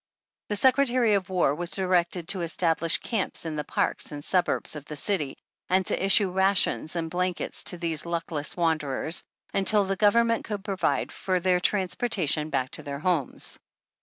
'* The Secretary of War was directed to establish camps in the paries and suburbs of the city and to issue rations and blankets to these luckless wanderers until the Government could provide for their transportation back to their homes.